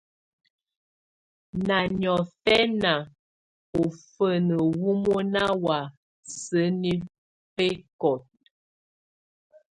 Na niɔ́fɛnian, ufuné wo mona wa sénibekot.